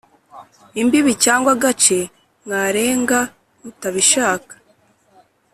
Imbibi cyangwa agace mwarenga mutabishaka.